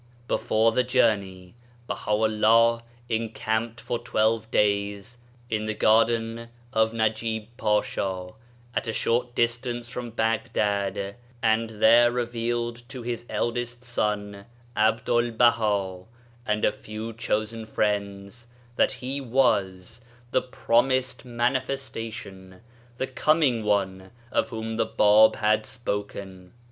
Before the journey Baha'u'llah encamped for twelve days in the garden of Najil Pasha, at a short distance from Baghdad, and there revealed to his eldest son Abdul Baha and a few chosen friends that he was the promised ' Manifestation,* the " Coming One " of whom the Bab had spoken.